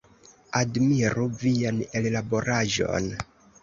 Admiru vian ellaboraĵon!